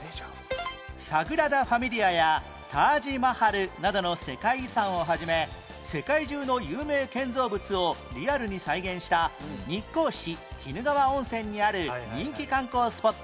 サグラダ・ファミリアやタージ・マハルなどの世界遺産を始め世界中の有名建造物をリアルに再現した日光市鬼怒川温泉にある人気観光スポット